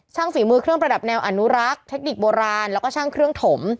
ฝีมือเครื่องประดับแนวอนุรักษ์เทคนิคโบราณแล้วก็ช่างเครื่องถม